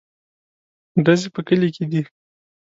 _ډزې په کلي کې دي.